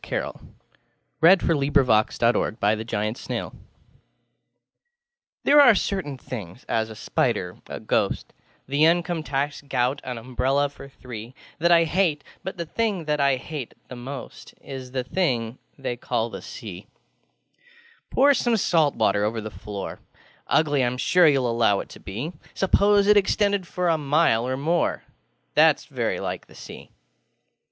ŌĆØ A SEA DIRGE [Picture: The sea, beach and children] THERE are certain thingsŌĆöas, a spider, a ghost, The income tax, gout, an umbrella for threeŌĆö That I hate, but the thing that I hate the most Is a thing they call the Sea. Pour some salt water over the floorŌĆö Ugly IŌĆÖm sure youŌĆÖll allow it to be: Suppose it extended a mile or more, ThatŌĆÖs very like the Sea.